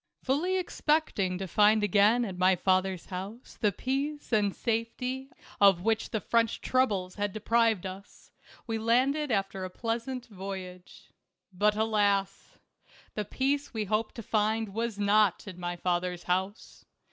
Fully expecting to find again at my father's house the peace and safety of which the French troubles had deprived us, we landed after a pleas ant voyage. But, alas ! the peace we hoped to find was not in my father's house.